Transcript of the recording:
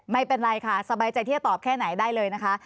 ไม่เป็นไรค่ะสบายใจที่จะตอบแค่ไหนได้เลยนะคะ